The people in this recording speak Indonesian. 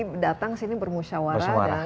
jadi datang sini bermusyawarah